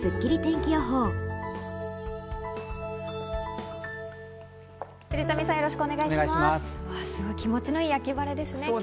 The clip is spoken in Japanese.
気持ちのいい秋晴れですね。